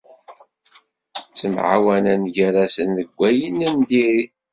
Ttemɛawanen gar-asen deg wayen n diri.